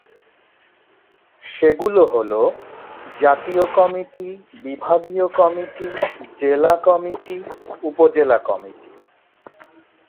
সেগুলো হলঃ জাতীয় কমিটি, বিভাগীয় কমিটি, জেলা কমিটি, উপজেলা কমিটি।